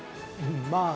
まあ。